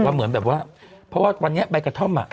เหมือนแบบว่าเพราะว่าวันนี้ใบกระท่อมอ่ะ